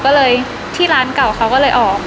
ก็เลยที่ร้านเก่าเขาก็เลยออก